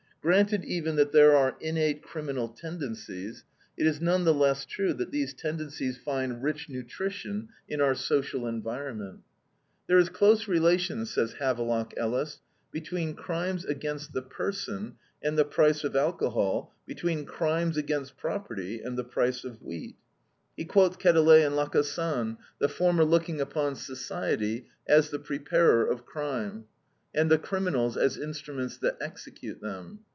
Granted even that there are innate criminal tendencies, it is none the less true that these tendencies find rich nutrition in our social environment. There is close relation, says Havelock Ellis, between crimes against the person and the price of alcohol, between crimes against property and the price of wheat. He quotes Quetelet and Lacassagne, the former looking upon society as the preparer of crime, and the criminals as instruments that execute them.